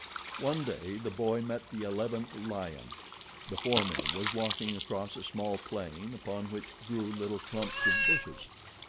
One day the boy met the eleventh lion. The former was walking across a small plain upon which grew little clumps of bushes.